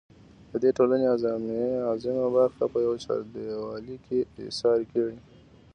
د دې ټـولنې اعظـيمه بـرخـه پـه يـوه چـارديـوالي کـې اېـسارې کـړي.